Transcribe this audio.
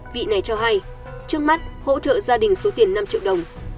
vị này cho hay trước mắt hỗ trợ gia đình số tiền năm triệu đồng